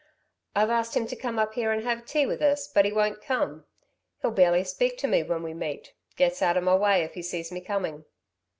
"I've asked him to come up here and have tea with us, but he won't come. He'll barely speak to me when we meet, gets out of my way if he sees me coming."